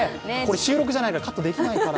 収録じゃないからカットできないから。